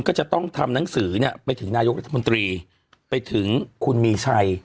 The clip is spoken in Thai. ก็จะต้องทำหนังสือเนี่ยไปถึงนายกรัฐมนตรีไปถึงคุณมีชัย